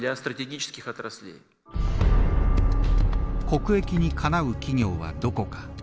国益にかなう企業はどこか。